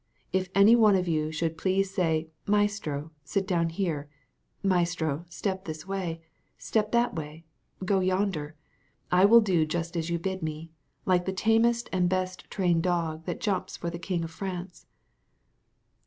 If any one of you should please to say, 'Maestro, sit down here; Maestro, step this way, step that way, go yonder,' I will do just as you bid me, like the tamest and best trained dog that jumps for the king of France."